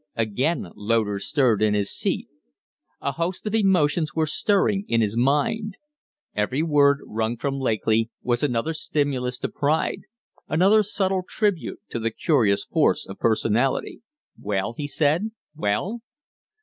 Again Loder stirred in his seat. A host of emotions were stirring in his mind. Every word wrung from Lakely was another stimulus to pride, another subtle tribute to the curious force of personality. "Well?" he said. "Well?"